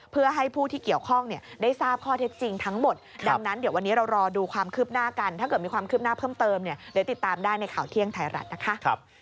เพื่อให้ผู้ที่เกี่ยวข้องได้ทราบข้อเท็จจริงทั้งหมดดังนั้นเดี๋ยววันนี้เรารอดูความคืบหน้ากันถ้าเกิดมีความคืบหน้าเพิ่มเติมเนี่ยเดี๋ยวติดตามได้ในข่าวเที่ยงไทยรัฐนะคะ